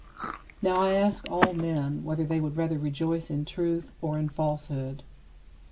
Now I ask all men whether they would rather rejoice in truth or in falsehood.